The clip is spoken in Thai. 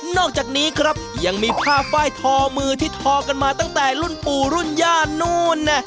อกจากนี้ครับยังมีผ้าไฟล์ทอมือที่ทอกันมาตั้งแต่รุ่นปู่รุ่นย่านู่น